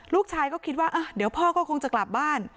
ลูกชายก็คิดว่าเดี๋ยวพ่อก็คงจะกลับบ้าน